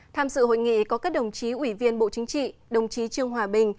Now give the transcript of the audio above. tham dự hội nghị có các đồng chí ủy viên bộ chính trị đồng chí trương hòa bình